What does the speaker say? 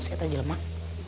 berapa jam mbak